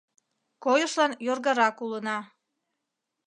Койышлан йоргарак улына.